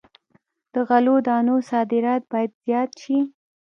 د غلو دانو صادرات باید زیات شي.